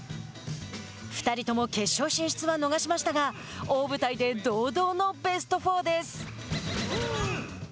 ２人とも決勝進出は逃しましたが大舞台で堂々のベスト４です。